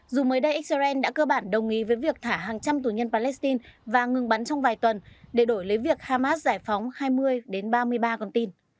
dù mới đây israel đã cơ bản đồng ý với việc thả hàng trăm tù nhân palestine và ngừng bắn trong vài tuần để đổi lấy việc hamas giải phóng hai mươi ba mươi ba con tin